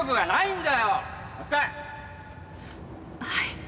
はい。